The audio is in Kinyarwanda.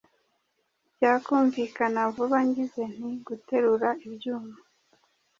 byakumvikana vuba ngize nti ‘guterura ibyuma’,